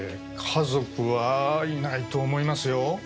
家族はいないと思いますよ。